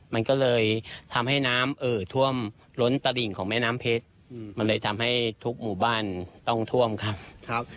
มันก็เลยทำให้น้ำเอ่อท่วมล้นตะหลิ่งของแม่น้ำเพชรมันเลยทำให้ทุกหมู่บ้านต้องท่วมครับ